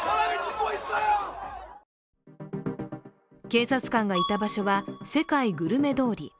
警察官がいた場所は世界グルメ通り。